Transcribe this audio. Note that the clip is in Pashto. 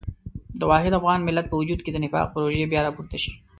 د واحد افغان ملت په وجود کې د نفاق پروژې بیا راپورته شي.